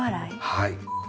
はい。